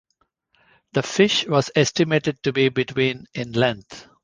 The fish was estimated to be between in length.